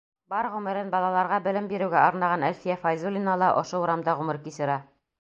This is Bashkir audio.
Бар ғүмерен балаларға белем биреүгә арнаған Әлфиә Фәйзуллина ла ошо урамда ғүмер кисерә.